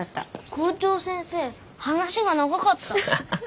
校長先生話が長かった。